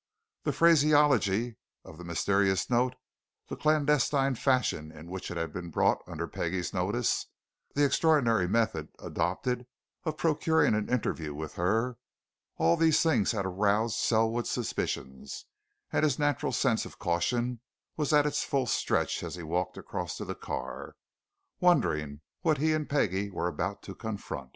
The phraseology of the mysterious note; the clandestine fashion in which it had been brought under Peggie's notice; the extraordinary method adopted of procuring an interview with her all these things had aroused Selwood's suspicions, and his natural sense of caution was at its full stretch as he walked across to the car, wondering what he and Peggie were about to confront.